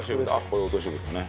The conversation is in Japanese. これ落とし蓋ね。